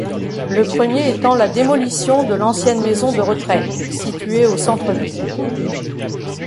Le premier étant la démolition de l'ancienne maison de retraite, situé au centre ville.